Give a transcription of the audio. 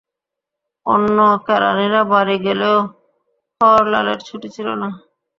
অন্য কেরানিরা বাড়ি গেলেও হরলালের ছুটি ছিল না ।